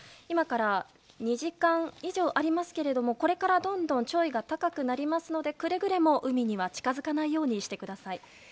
今から２時間以上ありますがこれからどんどん潮位が高くなりますのでくれぐれも海には近づかないようにしてください。